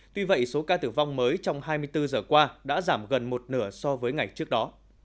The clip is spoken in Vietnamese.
tuy vậy số ca tử vong mới trong hai mươi bốn giờ qua đã giảm gần một nửa so với ngày trước đó